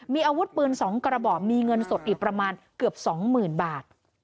มีอาวุธปืน๒กระบอกมีเงินสดอีกประมาณเกือบ๒๐๐๐บาท